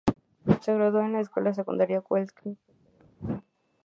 Se graduó de la Escuela Secundaria Westlake, cerca de Austin.